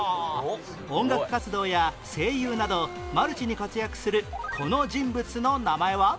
音楽活動や声優などマルチに活躍するこの人物の名前は？